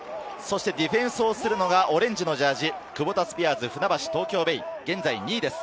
ディフェンスをするのがオレンジのジャージー、クボタスピアーズ船橋・東京ベイ、現在２位です。